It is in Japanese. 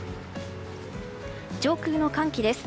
上空の寒気です。